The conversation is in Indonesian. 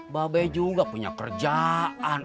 babay juga punya kerjaan